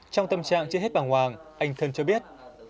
trong tâm trạng chưa hết bằng hoàng anh thân cho biết